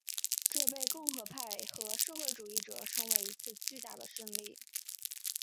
这被共和派和社会主义者称为一次巨大胜利。